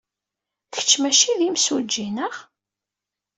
Kečč maci d imsujji, neɣ?